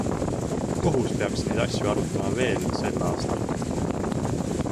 Kohus peaks neid asju arutama veel sel aastal.